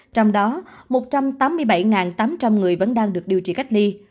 trong đó một trăm tám mươi bảy tám trăm linh người vẫn đang được điều trị cách ly